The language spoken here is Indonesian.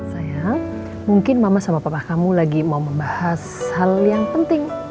sayang mungkin mama sama papa kamu lagi mau membahas hal yang penting